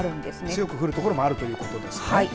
強く降るところもあるということですね。